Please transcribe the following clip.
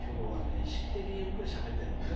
意識的にゆっくりしゃべってるもんね